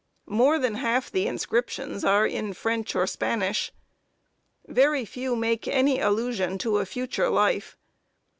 More than half the inscriptions are French or Spanish. Very few make any allusion to a future life.